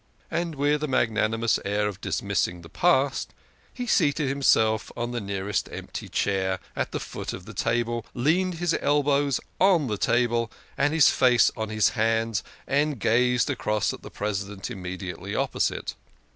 And with a magnani mous air of dismissing the past, he seated himself on the nearest empty chair at the foot of the table, leaned his elbows on the table, and his face on his hands, and gazed across at the President immediately opposite.